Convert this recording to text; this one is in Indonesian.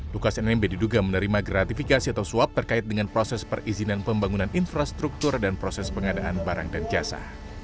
lukas nmb diduga menerima gratifikasi atau suap terkait dengan proses perizinan pembangunan infrastruktur dan proses pengadaan barang dan jasa